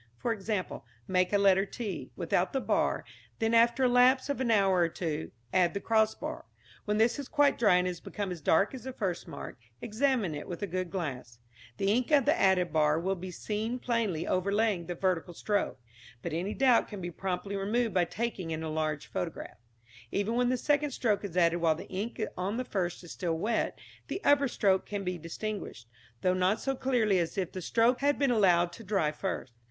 For example, make a letter t without the bar, then, after a lapse of an hour or two, add the cross bar. When this is quite dry and has become as dark as the first mark, examine it with a good glass. The ink of the added bar will be seen plainly overlaying the vertical stroke, but any doubt can be promptly removed by taking an enlarged photograph. Even when the second stroke is added while the ink on the first is still wet the upper stroke can be distinguished, though not so clearly as if the first stroke had been allowed to dry first.